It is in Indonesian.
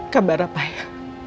kabar apa ibu